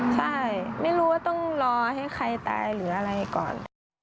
ใช่ไม่รู้ว่าต้องรอให้ใครตายหรืออะไรก่อน